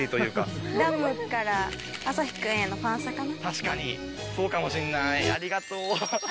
確かにそうかもしんない。